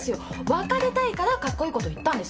別れたいからカッコイイこと言ったんですよ。